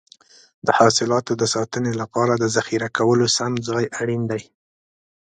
د حاصلاتو د ساتنې لپاره د ذخیره کولو سم ځای اړین دی.